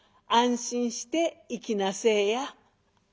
安心して行きなせえや」。